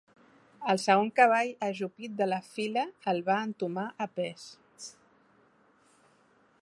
El segon cavall ajupit de la fila el va entomar a pes.